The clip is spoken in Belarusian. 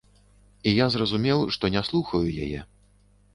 І я зразумеў, што не слухаю яе.